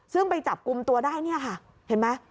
ซึ่งไปจับกลุ่มตัวได้เนี่ยค่ะเห็นไหม